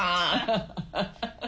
ハハハハ。